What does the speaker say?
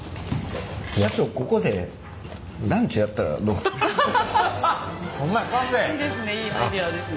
社長いいですねいいアイデアですね。